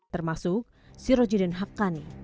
termasuk surajuddin haqqani